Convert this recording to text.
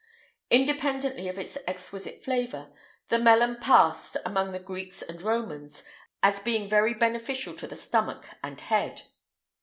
Independently of its exquisite flavour, the melon passed, among the Greeks and Romans, as being very beneficial to the stomach and head.